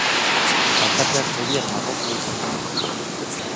Alkateak begiak margotu ditu!